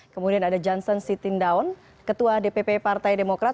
kemudian ada johnson sitindaun ketua dpp partai demokrat